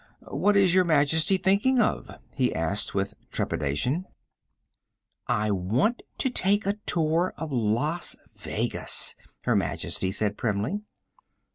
_ "What is Your Majesty thinking of?" he asked with trepidation. "I want to take a tour of Las Vegas," Her Majesty said primly.